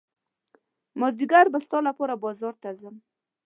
مازدیګر به ستا لپاره بازار ته ځم.